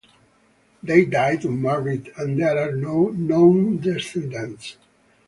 They died unmarried and there are no known descendants.